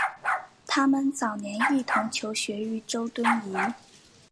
他们早年一同求学于周敦颐。